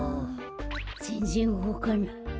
ぜんぜんうごかない。